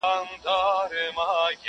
• دادی وګوره صاحب د لوی نښان یم ,